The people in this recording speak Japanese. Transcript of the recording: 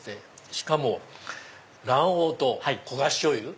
しかも卵黄と焦がししょうゆ。